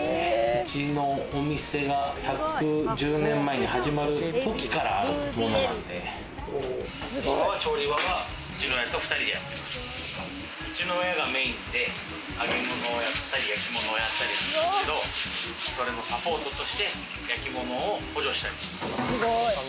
うちのお店が１１０年前に始まる時からあるものなんで今は調理場はうちの親と２人で、うちの親がメインで揚げ物をやったり焼き物をやったり、それのサポートとして焼き物を補助したりしてます。